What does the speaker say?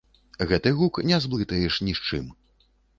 Гэты гук не зблытаеш ні з чым.